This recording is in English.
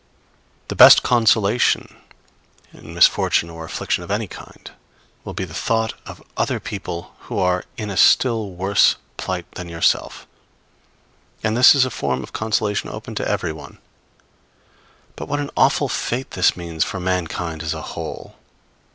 The best consolation in misfortune or affliction of any kind will be the thought of other people who are in a still worse plight than yourself; and this is a form of consolation open to every one. But what an awful fate this means for mankind as a whole!